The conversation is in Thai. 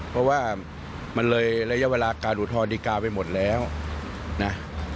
เพราะว่ามันเลยระยะเวลาการอุทธรณดีการ์ไปหมดแล้วนะ